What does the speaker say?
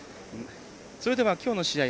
それでは、きょうの試合